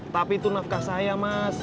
tapi itu nafkah saya mas